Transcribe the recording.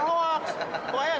jangan nyebar hoaks